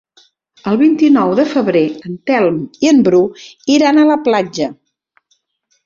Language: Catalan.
El vint-i-nou de febrer en Telm i en Bru iran a la platja.